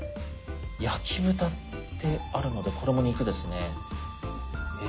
「焼豚」ってあるのでこれも肉ですね。